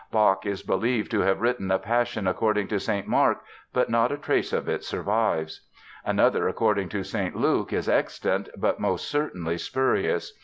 Bach is believed to have written a Passion according to St. Mark, but not a trace of it survives. Another, according to St Luke, is extant but most certainly spurious.